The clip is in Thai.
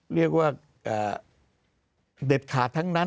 เรียกว่าเด็ดขาดทั้งนั้น